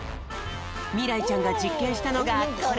みらいちゃんがじっけんしたのがこれ！